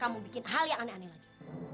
kamu bikin hal yang aneh aneh lagi